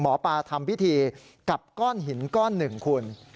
หมอปลาทำพิธีกับก้อนหินก้อนหนึ่งคุณ